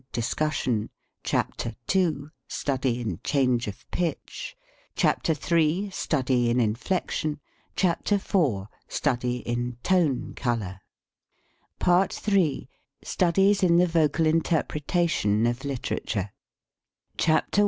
DISCUSSION CHAPTER II. STUDY IN CHANGE OF PITCH CHAPTER III. STUDY IN INFLECTION CHAPTER IV. STUDY IN TONE COLOR PART III STUDIES IN THE VOCAL INTERPRETATION OF LIT ERATURE CHAPTER I.